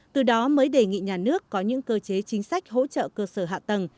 từ đó mới đề nghị nhà nước có những cơ chế chính sách hỗ trợ cơ sở hạ tầng